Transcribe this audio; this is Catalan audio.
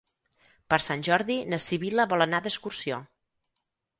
Per Sant Jordi na Sibil·la vol anar d'excursió.